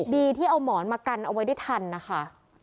ดีที่เอาหมอนมากันเอาไว้ได้ทันนะคะ